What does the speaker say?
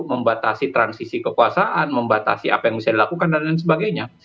membatasi transisi kekuasaan membatasi apa yang bisa dilakukan dan lain sebagainya